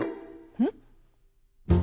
うん？